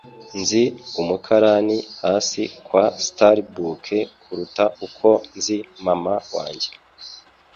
Nzi umukarani hasi kwa Starbuck kuruta uko nzi mama wanjye.